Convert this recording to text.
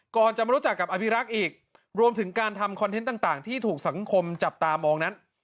ก่อนจะมารู้จักกับอภิรักษ์อีกรวมถึงการทำคอนเทนต์ต่างที่ถูกสังคมจับตามองนั้น